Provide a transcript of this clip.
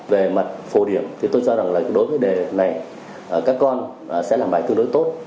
về mặt phổ điểm thì tôi cho rằng là đối với đề này các con sẽ làm bài tương đối tốt